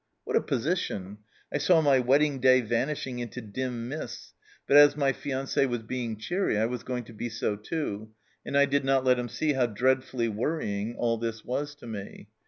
What a position ! I saw my wedding day vanishing into dim mists, but as my fiance' was being cheery I was going to be so too, and I did not let him see how dreadfully worrying all this was to me.